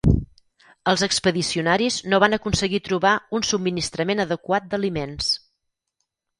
Els expedicionaris no van aconseguir trobar un subministrament adequat d'aliments.